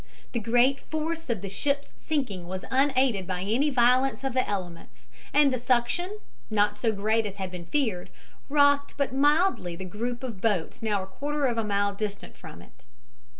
The great force of the ship's sinking was unaided by any violence of the elements, and the suction, not so great as had been feared, rocked but mildly the group of boats now a quarter of a mile distant from it.